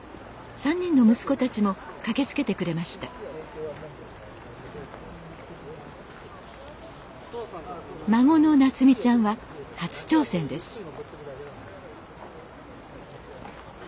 ３人の息子たちも駆けつけてくれました孫のなつみちゃんは初挑戦です